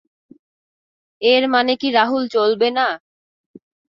এর মানে কি রাহুল চলবে না।